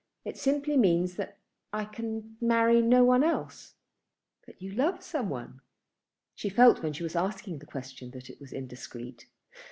It simply means that I can marry no one else." "But you love some one?" She felt when she was asking the question that it was indiscreet.